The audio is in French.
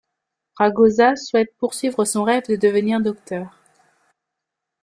Ragosa souhaite poursuivre son rêve de devenir docteur.